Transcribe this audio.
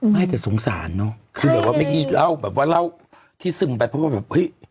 ไม่แต่สงสารเนอะคือแบบว่าเมื่อกี้เล่าแบบว่าเล่าที่ซึมไปเพราะว่าแบบเฮ้ย